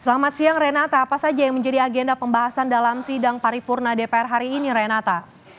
selamat siang renata apa saja yang menjadi agenda pembahasan dalam sidang paripurna dpr hari ini renata